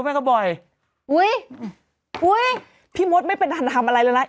มันไม่แปลกใจเลยว่า